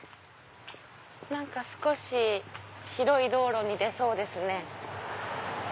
何か少し広い道路に出そうですね。